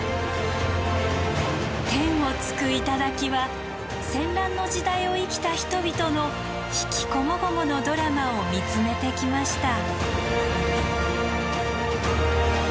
天を突く頂は戦乱の時代を生きた人々の悲喜こもごものドラマを見つめてきました。